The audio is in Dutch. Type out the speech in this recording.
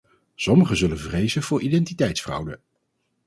Sommigen zullen vrezen voor identiteitsfraude.